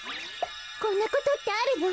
こんなことってあるの？